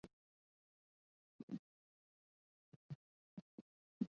但这并不是说更早以前就不存在着其他关于两性平等的着作。